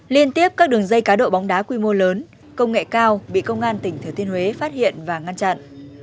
liên tiếp các đường dây cá độ bóng đá quy mô lớn công nghệ cao bị công an tỉnh thừa thiên huế phát hiện và ngăn chặn